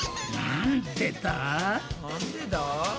なんでだ？